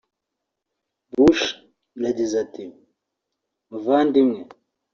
Bush yagize ati “Muvandimwe